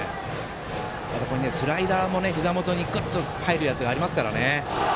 スライダーも、ひざ元にぐっと入るやつがありますから。